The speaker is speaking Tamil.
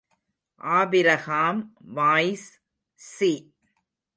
Abraham voice, C.